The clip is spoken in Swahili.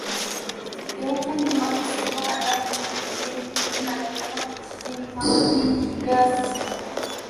kugeuka nyuma kisogo halafu muangalie mkulima aliyeko kijijini mama hii leo ssra